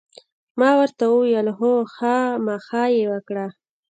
ما ورته وویل: هو، خامخا یې وکړه.